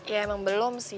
ya emang belum sih